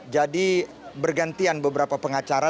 jadi bergantian beberapa pengacara